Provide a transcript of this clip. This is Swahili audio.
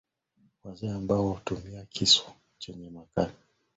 wazee ambao hutumia kisu chenye makali na kigozi cha ngombe kufunika jeraha Neno la